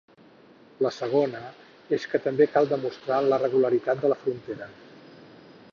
La segona és que també cal demostrar la regularitat de la frontera.